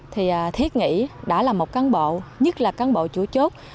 thì thiết nghĩ đã là một cán bộ nhất là cán bộ chủ chốt